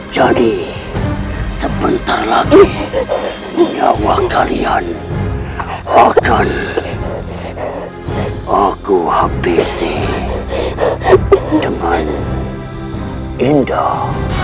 jadi sebentar lagi nyawa kalian akan aku habisi dengan indah